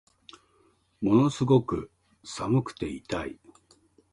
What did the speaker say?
ものすごく寒くて痛い